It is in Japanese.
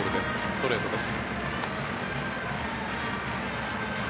ストレートです。